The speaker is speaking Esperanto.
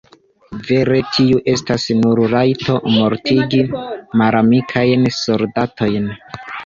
Vere tiu estas nur rajto mortigi malamikajn soldatojn.